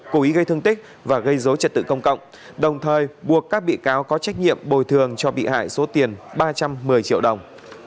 cố ý gây thương tích và gây dối trật tự công cộng đồng thời buộc các bị cáo có trách nhiệm bồi thường cho bị hại số tiền ba trăm một mươi triệu đồng